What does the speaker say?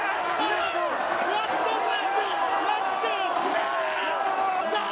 やったー！